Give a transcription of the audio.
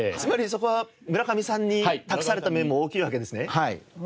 そこは村上さんに託された面も大きいわけですね。